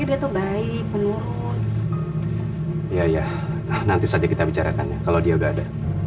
iya iya nanti saja kita bicarakan ya kalau dia nggak ada